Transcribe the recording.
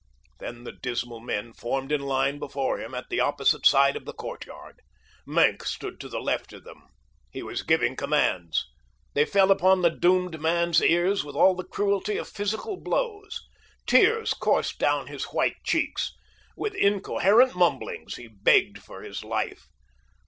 Then the dismal men formed in line before him at the opposite side of the courtyard. Maenck stood to the left of them. He was giving commands. They fell upon the doomed man's ears with all the cruelty of physical blows. Tears coursed down his white cheeks. With incoherent mumblings he begged for his life.